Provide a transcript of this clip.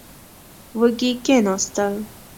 وږي کېناستل.